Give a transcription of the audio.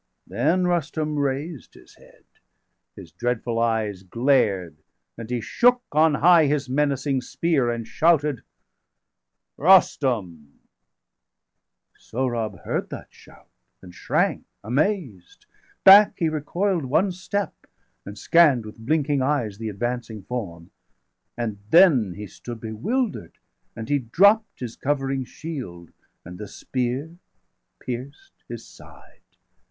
Then Rustum raised his head; his dreadful eyes Glared, and he shook on high his menacing spear, 515 And shouted: _Rustum_°! Sohrab heard that shout, °516 And shrank amazed; back he recoil'd one step, And scann'd with blinking eyes the advancing form; And then he stood bewilder'd; and he dropp'd His covering shield, and the spear pierced his side.